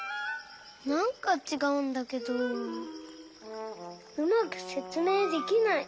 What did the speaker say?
なんかちがうんだけどうまくせつめいできない。